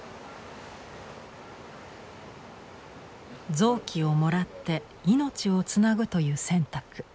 臓器をもらって命をつなぐという選択。